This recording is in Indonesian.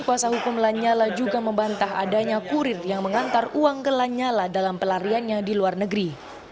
kuasa hukum lanyala juga membantah adanya kurir yang mengantar uang ke lanyala dalam pelariannya di luar negeri